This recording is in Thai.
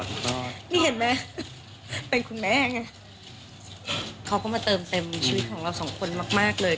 นี่เห็นไหมเป็นคุณแม่ไงเขาก็มาเติมเต็มชีวิตของเราสองคนมากมากเลย